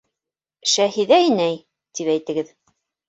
Шәһиҙә инәй, тип әйтегеҙ.